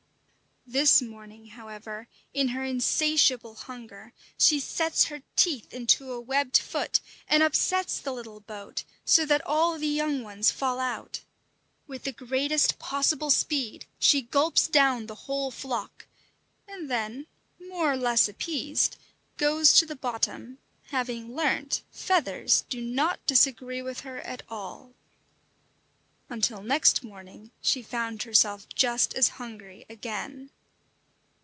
This morning, however, in her insatiable hunger, she sets her teeth into a webbed foot and upsets the little boat, so that all the young ones fall out. With the greatest possible speed she gulps down the whole flock, and then, more or less appeased, goes to the bottom, having learnt feathers do not disagree with her at all. Until next morning she found herself just as hungry again.